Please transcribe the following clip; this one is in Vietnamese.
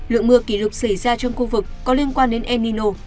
lượng mưa kỷ lục xảy ra trong khu vực có liên quan đến el nino